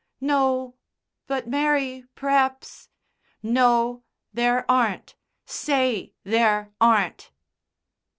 "No; but, Mary, p'r'aps " "No; there aren't. Say there aren't."